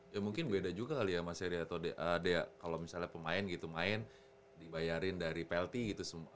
ya mungkin beda juga kali ya mas heri atau dea kalau misalnya pemain gitu main dibayarin dari plt gitu